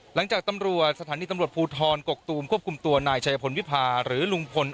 หลังจากตำรวจสถานีตำรวจภูทรกกตูมควบคุมตัวนายชายพลวิพาหรือลุงพล